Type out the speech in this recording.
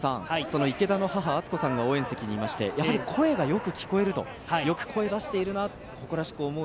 その池田の母・あつこさんが応援席にいまして、やはり声がよく聞こえると、よく声を出しているな。